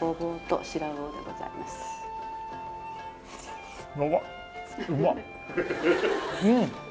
ごぼうと白魚でございますうん！